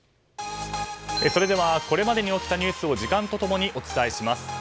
それではこれまでに起きたニュースを時間と共にお伝えします。